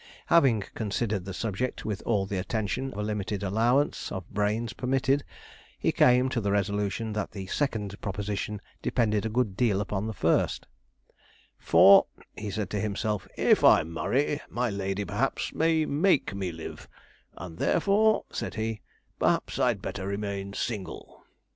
Having considered the subject with all the attention a limited allowance of brains permitted, he came to the resolution that the second proposition depended a good deal upon the first; 'for,' said he to himself, 'if I marry, my lady, perhaps, may make me live; and therefore,' said he, 'perhaps I'd better remain single.'